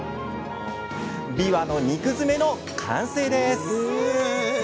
びわの肉づめの完成です！